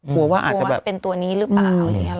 กลัวว่าเป็นตัวนี้หรือเปล่า